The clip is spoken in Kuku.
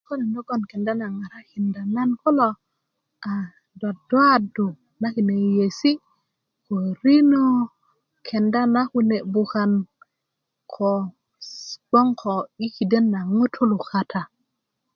kokölin logon kenda na ŋarakinda nan kulo duwduwadu na kine yeiyesi ko rino kenda na kune bukan ko bgoŋ ko i kiden na ŋutulu kata